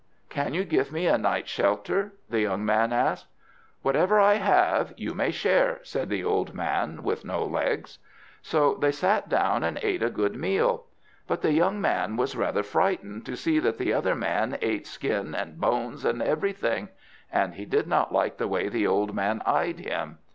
"Can you give me a night's shelter?" the young man asked. "Whatever I have, you may share," said the old man with no legs. So they sat down, and ate a good meal; but the young man was rather frightened to see that the other man ate skin, and bones, and everything. And he did not like the way the old man eyed him.